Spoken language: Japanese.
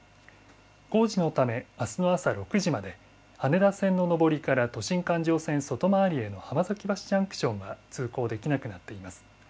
工事のため、あすの朝６時まで、羽田線の上りから都心環状線外回りへの浜崎橋ジャンクションが通行できなくなっています。